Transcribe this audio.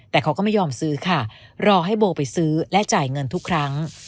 แต่เขาก็ไม่ยอมซื้อค่ะรอให้โบไปซื้อและจ่ายเงินทุกครั้ง